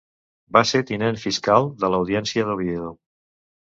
Va ser Tinent Fiscal de l'Audiència d'Oviedo.